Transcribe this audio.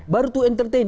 baru to entertain